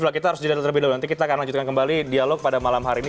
respon kita harus jadi lebih nanti kita akan lanjutkan kembali dialog pada malam hari ini